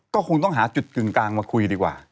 ก็คงต้องหาจุดกึ่งกลางมาคุยดีกว่า